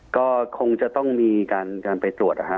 ก็คงจะต้องมีการไปตรวจนะฮะ